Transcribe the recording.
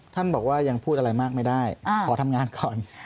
ท่านบอกว่ายังพูดอะไรมากไม่ได้ขอทำงานก่อน